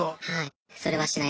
はい。